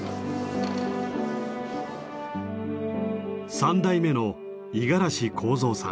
３代目の五十嵐康三さん。